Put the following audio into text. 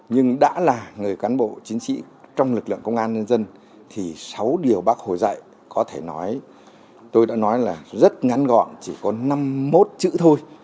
nhưng đã là người cán bộ chiến sĩ trong lực lượng công an nhân dân thì sáu điều bác hồ dạy có thể nói tôi đã nói là rất ngắn gọn chỉ có năm mươi một chữ thôi